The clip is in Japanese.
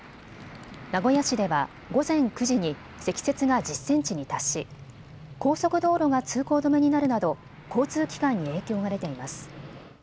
名古屋市では午前９時に積雪が１０センチに達し高速道路が通行止めになるなど交通機関に影響が出ています。